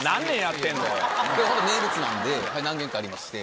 名物なんで何軒かありまして。